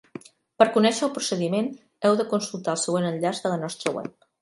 Per conèixer el procediment heu de consultar el següent enllaç de la nostra web.